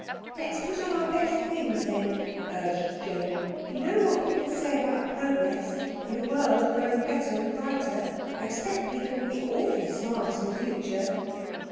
"Let's put on our best things, then," urged Jane. "You know what people say about progress and the world growing better and brighter. I expect people will be awfully smart in the future."